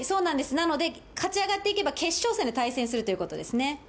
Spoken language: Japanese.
なので、勝ちあがっていけば、決勝戦で対戦するということですね。